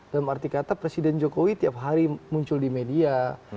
dalam arti kata presiden jokowi tiap hari muncul di media